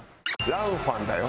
ランファンだよ。